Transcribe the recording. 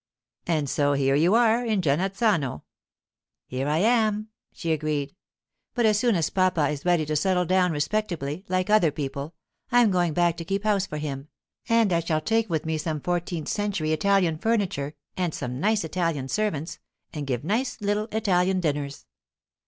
'And so here you are in Genazzano.' 'Here I am,' she agreed. 'But as soon as papa is ready to settle down respectably like other people, I am going back to keep house for him, and I shall take with me some fourteenth century Italian furniture, and some nice Italian servants, and give nice little Italian dinners.